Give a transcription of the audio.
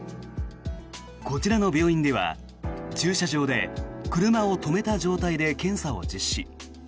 こちらの病院では駐車場で車を止めた状態で検査を実施。